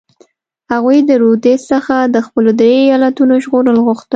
هغوی د رودز څخه د خپلو درې ایالتونو ژغورل غوښتل.